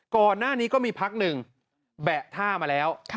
ก่อนหน้านี้ก็มีพักหนึ่งแบะท่ามาแล้ว